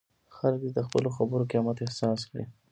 خلک دې د خپلو خبرو قیمت احساس کړي.